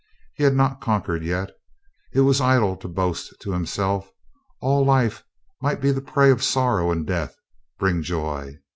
He had not conquered yet. It was idle to boast to himself. All life might be the prey of sorrow and death bring joy.